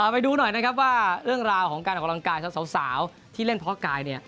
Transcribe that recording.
ไปดูหน่อยนะครับว่าเรื่องราวของการออกกำลังกายสาวที่เล่นเพาะกายเนี่ย